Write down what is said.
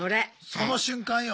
その瞬間よ。